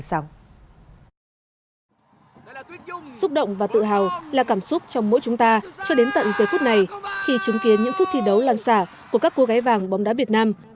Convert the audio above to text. xúc động và tự hào là cảm xúc trong mỗi chúng ta cho đến tận giây phút này khi chứng kiến những phút thi đấu lan xả của các cô gái vàng bóng đá việt nam